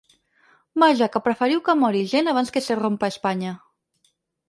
Vaja que preferiu que mori gent abans que ‘se rompa Espanya’ .